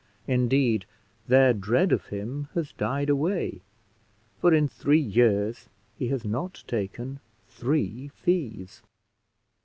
Indeed, their dread of him has died away; for in three years he has not taken three fees.